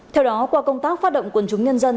theo đó qua công tác phát động quần chúng nhân dân